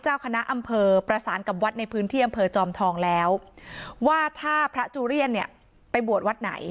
เจ้าคณะอำเภอประสานกับวัด